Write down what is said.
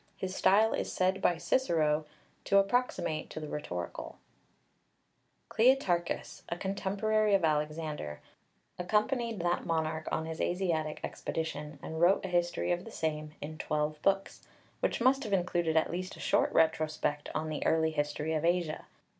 His style is said by Cicero (de Or. ii. 14) to approximate to the rhetorical (Pauly). KLEITARCHUS, a contemporary of Alexander, accompanied that monarch on his Asiatic expedition, and wrote a history of the same in twelve books, which must have included at least a short retrospect on the early history of Asia.